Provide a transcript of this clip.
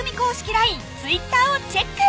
ＬＩＮＥ・Ｔｗｉｔｔｅｒをチェック！